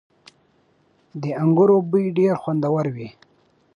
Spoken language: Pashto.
• د انګورو بوی ډېر خوندور وي.